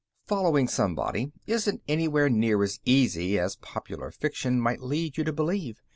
Following somebody isn't anywhere near as easy as popular fiction might lead you to believe.